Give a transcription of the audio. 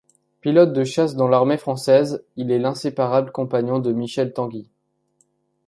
Pilote de chasse dans l'armée française, il est l'inséparable compagnon de Michel Tanguy.